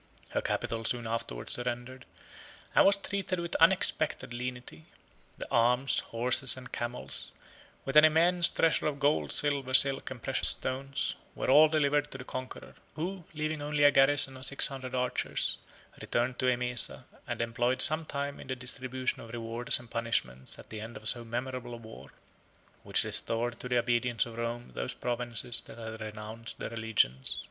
Her capital soon afterwards surrendered, and was treated with unexpected lenity. The arms, horses, and camels, with an immense treasure of gold, silver, silk, and precious stones, were all delivered to the conqueror, who, leaving only a garrison of six hundred archers, returned to Emesa, and employed some time in the distribution of rewards and punishments at the end of so memorable a war, which restored to the obedience of Rome those provinces that had renounced their allegiance since the captivity of Valerian.